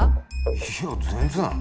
いや全然。